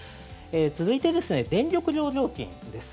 続いて、電力量料金です。